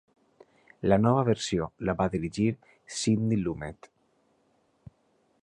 La nova versió la va dirigir Sidney Lumet.